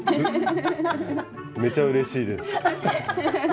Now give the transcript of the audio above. めちゃうれしいです。